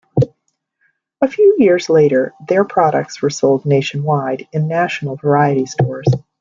A few years later their products were sold nationwide in national variety stores.